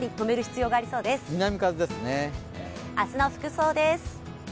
明日の服装です。